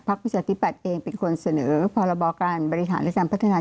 ประชาธิปัตย์เองเป็นคนเสนอพรบการบริหารและการพัฒนา